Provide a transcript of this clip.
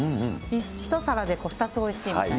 １皿で２つおいしいみたいな。